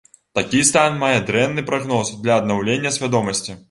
Такі стан мае дрэнны прагноз для аднаўлення свядомасці.